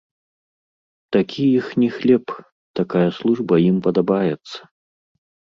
Такі іхні хлеб, такая служба ім падабаецца.